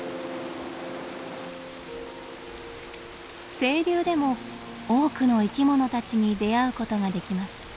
清流でも多くの生き物たちに出会うことができます。